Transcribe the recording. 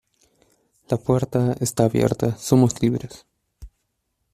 La puerta. ¡ está abierta! ¡ somos libres !